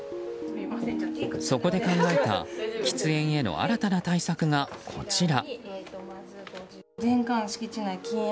そこで考えた喫煙への新たな対策がこちら。